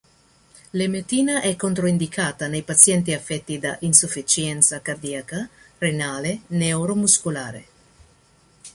L'emetina è controindicata nei pazienti affetti da insufficienza cardiaca, renale, neuromuscolare.